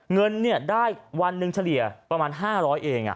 เงินได้วันหนึ่งเฉลี่ยประมาณ๕๐๐เอง